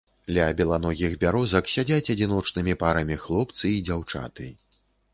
Ля беланогіх бярозак сядзяць адзіночнымі парамі хлопцы і дзяўчаты.